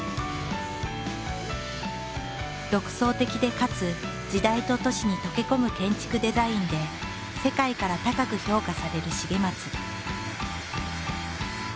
独創的でかつ時代と都市に溶け込む建築デザインで世界から高く評価される重松。